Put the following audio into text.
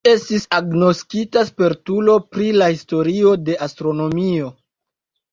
Li estis agnoskita spertulo pri la historio de astronomio.